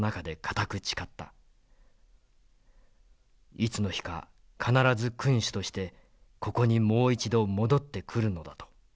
いつの日か必ず君主としてここにもう一度戻ってくるのだと。